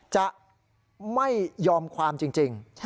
จะไม่ยอมความจริง